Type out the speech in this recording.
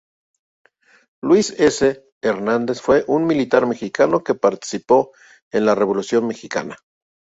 Luis S. Hernández fue un militar mexicano que participó en la Revolución mexicana.